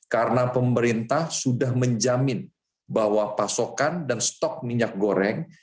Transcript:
karena pemerintah sudah menjamin bahwa pasokan dan stok minyak goreng